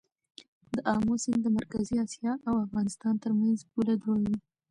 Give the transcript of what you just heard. د امو سیند د مرکزي اسیا او افغانستان ترمنځ پوله جوړوي.